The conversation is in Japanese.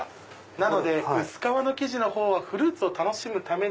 なので薄皮の生地のほうはフルーツを楽しむために。